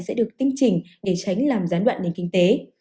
sẽ được tinh chỉnh để tránh làm gián đoạn nền kinh tế